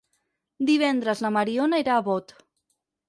Divendres na Mariona irà a Bot.